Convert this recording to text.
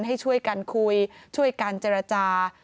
ให้ช่วยกันคุยช่วยกันเจรจา